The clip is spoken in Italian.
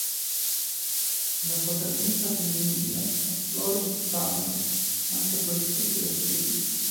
La protagonista femminile è Florence Turner, anche produttrice del film.